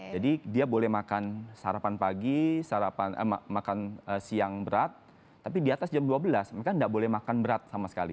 jadi dia boleh makan sarapan pagi makan siang berat tapi di atas jam dua belas mereka tidak boleh makan berat sama sekali